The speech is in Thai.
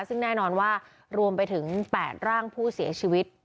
ซึ่งแน่นอนว่ารวมไปถึง๘ร่างผู้เสียชีวิต